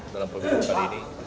dalam pemilu kali ini